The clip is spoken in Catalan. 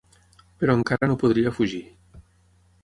Però encara no podria fugir.